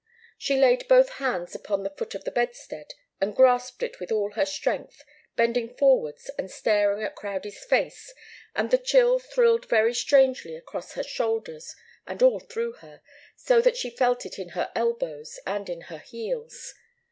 She laid both hands upon the foot of the bedstead, and grasped it with all her strength, bending forwards and staring at Crowdie's face, and the chill thrilled very strangely across her shoulders and all through her, so that she felt it in her elbows and in her heels.